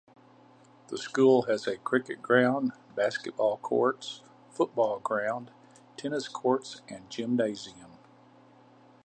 The school has a cricket ground, basketball courts, football ground, tennis courts and gymnasium.